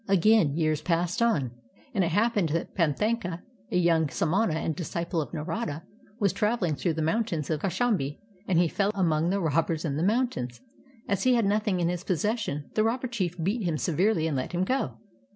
Again years passed on, and it happened that Pan thaka, a young samana and disciple of Narada, was traveling through the mountains of Kaushambi, and he fell among the robbers in the mountains. As he had nothing in his possession, the robber chief beat him severely and let him go.